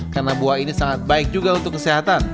karena buah ini sangat baik juga untuk kesehatan